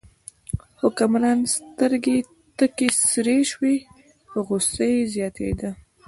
د حکمران سترګې تکې سرې شوې، غوسه یې زیاتېده.